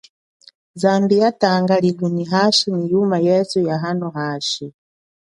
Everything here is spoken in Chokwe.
Zambi ya tanga lilo nyi hashi nyi yuma yeswe ya hano hashi.